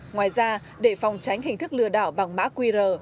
ngoài ra để phòng tránh hình thức lừa đảo bằng mã quy rờ